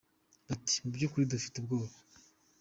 Bati : “Mu by’ukuri dufite ubwoba”.